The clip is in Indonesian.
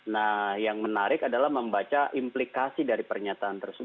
nah yang menarik adalah membaca implikasi dari pernyataan tersebut